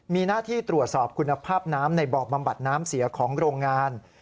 มีหน้าที่ตรวจสอบคุณภาพน้ำในบ่อบำบัดน้ำเสียของโรงงาน